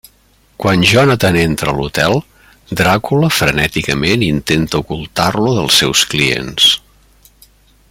Quan Jonathan entra a l'hotel, Dràcula frenèticament intenta ocultar-lo dels seus clients.